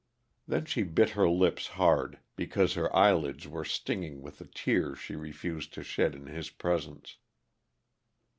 Then she bit her lips hard, because her eyelids were stinging with the tears she refused to shed in his presence.